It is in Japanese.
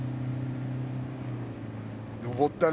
上ったね